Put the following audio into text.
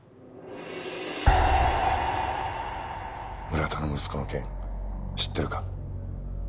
村田の息子の件知ってるか？